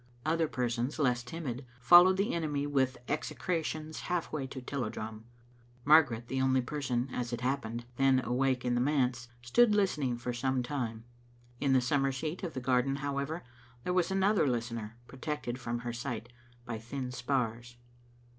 Other persons, less timid, followed the enemy with execrations half way to Tilliedrum. Margaret, the only person, as it happened, then awake in the manse, stood listening for some time. In the summer seat of the garden, how. ever, there was another listener protected from her sight by thin spars.